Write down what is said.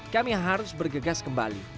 kami harus bergegas kembali